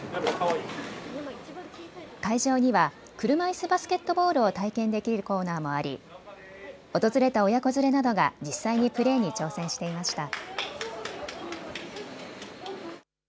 会場には車いすバスケットボールを体験できるコーナーもあり訪れた親子連れなどが実際にプレーに挑戦していました。